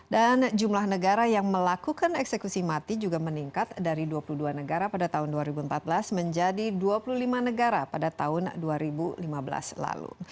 dan jumlah negara yang melakukan eksekusi mati juga meningkat dari dua puluh dua negara pada tahun dua ribu empat belas menjadi dua puluh lima negara pada tahun dua ribu lima belas lalu